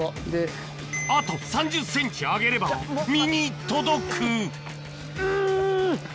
あと３０ｃｍ上げれば実に届くんん！